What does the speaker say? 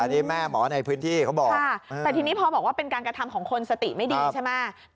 อันนี้แม่หมอในพื้นที่เขาบอกแต่ทีนี้พอบอกว่าเป็นการกระทำของคนสติไม่ดีใช่ไหม